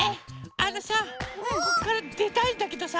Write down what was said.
あのさこっからでたいんだけどさ